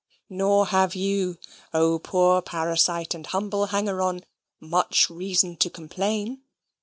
Nor have you, O poor parasite and humble hanger on, much reason to complain!